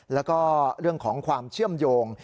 แล้วก็เรื่องของความเชื่อมโยง